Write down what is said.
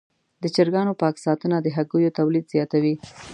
د چرګانو پاک ساتنه د هګیو تولید زیاتوي.